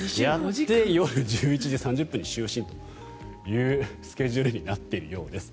夜１１時３０分に就寝というスケジュールになっているようです。